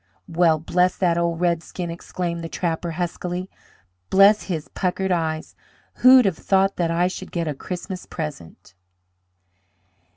"Well, bless that old red skin!" exclaimed the trapper, huskily. "Bless his puckered eyes! Who'd have thought that I should get a Christmas present?"